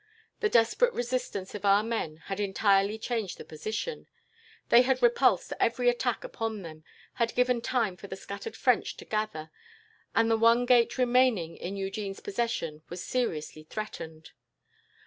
The desperate resistance of our men had entirely changed the position. They had repulsed every attack upon them, had given time for the scattered French to gather, and the one gate remaining in Eugene's possession was seriously threatened.